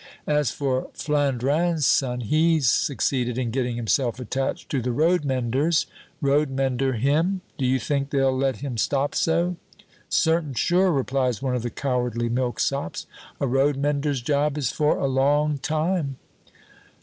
As for Flandrin's son, he's succeeded in getting himself attached to the roadmenders. Roadmender, him? Do you think they'll let him stop so?' 'Certain sure,' replies one of the cowardly milksops. 'A road mender's job is for a long time.'